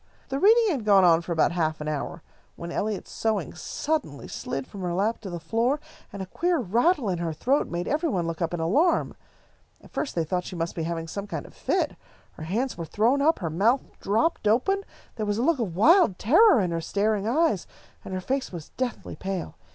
The reading had gone on for about half an hour, when Eliot's sewing suddenly slid from her lap to the floor, and a queer rattle in her throat made every one look up in alarm. At first they thought that she must be having some kind of a fit. Her hands were thrown up, her mouth dropped open, there was a look of wild terror in her staring eyes, and her face was deathly pale.